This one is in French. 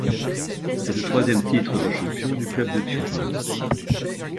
C’est le troisième titre de champion du club de Turin.